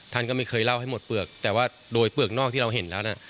ท่านก็ไม่เคยเล่าให้หมดเปลือกแต่ว่าโดยเปลือกนอกที่เราเห็นแล้วนะ